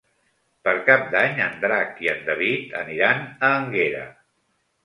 Per Cap d'Any en Drac i en David aniran a Énguera.